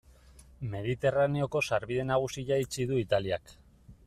Mediterraneoko sarbide nagusia itxi du Italiak.